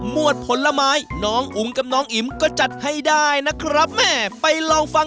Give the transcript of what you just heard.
มื้อหนี้น้องอุ้งอิ๋มจิมมะสวนภาษาอีสาน